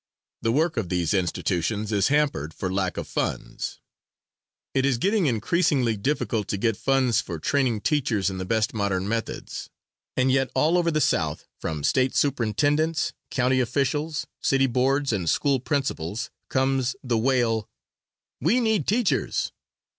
The work of these institutions is hampered for lack of funds. It is getting increasingly difficult to get funds for training teachers in the best modern methods, and yet all over the South, from State Superintendents, county officials, city boards and school principals comes the wail, "We need TEACHERS!"